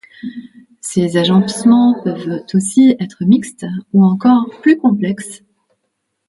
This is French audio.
Ces agencements peuvent aussi être mixtes, ou encore plus complexes.